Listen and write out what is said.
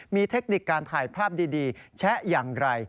มีเทคนิคการถ่ายภาพดีแชะอย่างไร